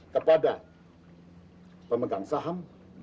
kepada pemegang saham